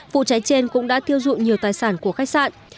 vụ cháy trên cũng đã thiêu dụi nhiều tài sản của khách sạn